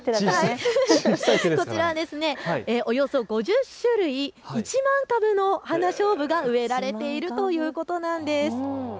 こちら、およそ５０種類１万株の花しょうぶが植えられているということなんです。